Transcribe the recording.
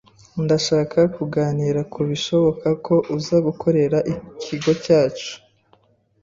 Ndashaka kuganira kubishoboka ko uza gukorera ikigo cyacu.